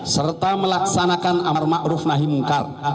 serta melaksanakan amarmakruf nahi munkar